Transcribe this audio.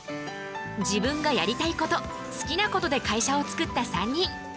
自分がやりたいこと好きなことで会社を作った３人。